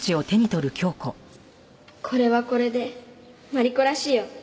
これはこれでマリコらしいよ。